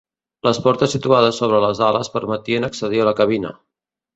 Les portes situades sobre les ales permetien accedir a la cabina.